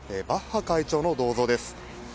バッハ会長の銅像です。